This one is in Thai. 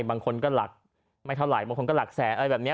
บางคนก็หลักไม่เท่าไหร่บางคนก็หลักแสนอะไรแบบนี้